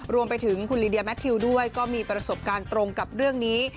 รวมไปถึงคุณลีเดียแมททิวด้วยก็มีประสบการณ์ตรงกับเรื่องนี้